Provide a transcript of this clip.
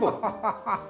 ハハハハッ。